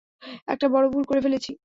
একটা বড় ভুল করে ফেলেছি!